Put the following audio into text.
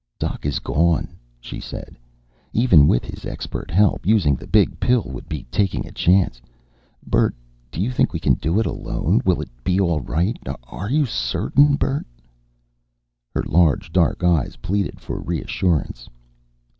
"Doc is gone," she said. "Even with his expert help, using the Big Pill would be taking a chance. Bert, do you think we can do it alone? Will it be all right? Are you certain, Bert?" Her large, dark eyes pleaded for reassurance.